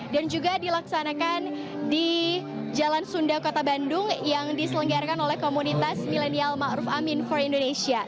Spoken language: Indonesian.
dan juga dilaksanakan di jalan sunda kota bandung yang diselenggarakan oleh komunitas milenial mahruf amin for indonesia